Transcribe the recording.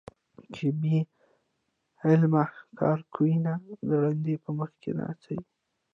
چې بې علمه کار کوينه - د ړانده په مخ کې ناڅي